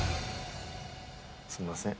すみません。